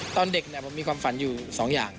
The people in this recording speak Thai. ตอนเด็กผมมีความฝันอยู่สองอย่าง